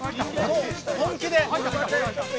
本気で。